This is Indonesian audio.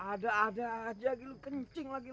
ada ada aja lagi lu kencing lagi